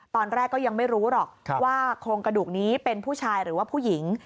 ตอนแรกก็ยังไม่รู้หรอกว่าโครงกระดูกนี้เป็นผู้ชายหรือว่าผู้หญิง